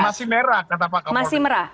masih merah kata pak kapolri